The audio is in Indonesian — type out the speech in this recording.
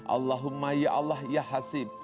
allahumma ya allah ya hasib